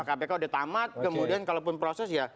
kpk udah tamat kemudian kalaupun proses ya